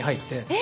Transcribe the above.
え⁉